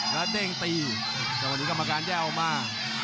แล้วเด้งตีแต่วันนี้กรรมการแย่ออกมา